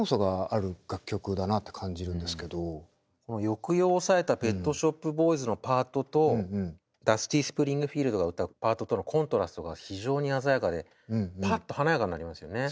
抑揚を抑えたペット・ショップ・ボーイズのパートとダスティ・スプリングフィールドが歌うパートとのコントラストが非常に鮮やかでパッと華やかになりますよね。